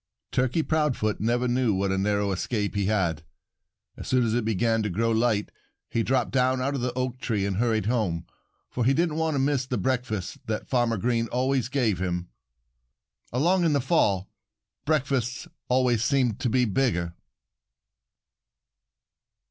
Turkey Proudfoot never knew what a narrow escape he had. As soon as it began to grow light he dropped down out of the oak tree and hurried home, for he didn't want to miss the breakfast that Farmer Green always gave him. Along in the fall, breakfasts always seemed to be bigger.